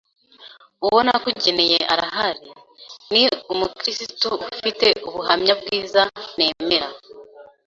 uwo nakugeneye arahari, ni umukiristu ufite ubuhamya bwiza nemera